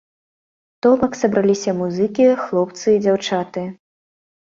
То бок, сабраліся музыкі, хлопцы, дзяўчаты.